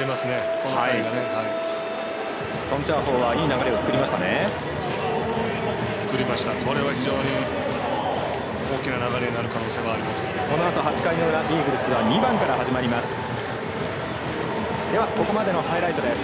このあと８回の裏イーグルスは２番から始まります。